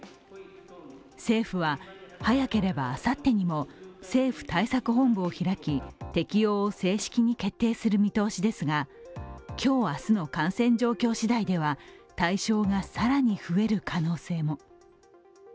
政府は早ければあさってにも政府対策本部を開き、適用を正式に決定する見通しですが今日、明日の感染状況しだいでは、対象が更に増える可能性も。